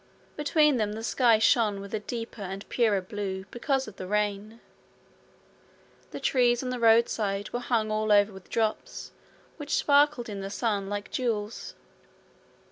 Between them the sky shone with a deeper and purer blue, because of the rain. The trees on the roadside were hung all over with drops, which sparkled in the sun like jewels.